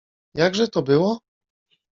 Jakże to było?…